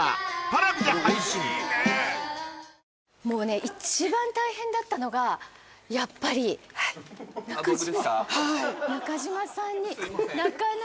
もうね一番大変だったのがやっぱり僕ですか？